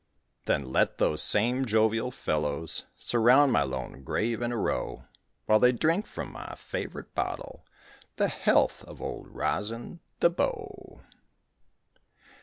Then let those same jovial fellows Surround my lone grave in a row, While they drink from my favorite bottle The health of Old Rosin the Bow.